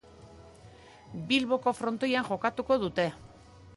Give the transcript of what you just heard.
Bilboko frontoian jokatuko dute.